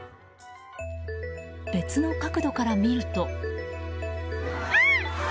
別の角度から見ると。